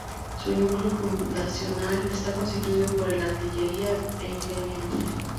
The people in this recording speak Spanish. Su núcleo fundacional está constituido por el de Artillería e Ingenieros.